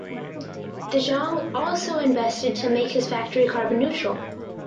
De Jong also invested to make his factory carbon neutral.